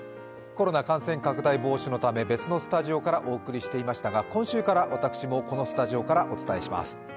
コロナ感染拡大防止のため、別のスタジオからお送りしていましたが今週から私もこのスタジオからお伝えします。